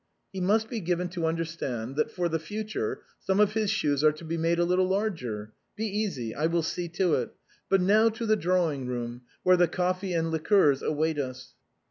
" He must be given to understand that, for the future, some of his shoes are to be made a little larger ; be easy, I will see to it. — But now to the drawing room, where the coffee and liquors await us."